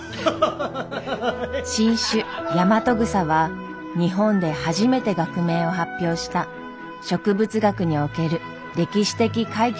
新種ヤマトグサは日本で初めて学名を発表した植物学における歴史的快挙となりました。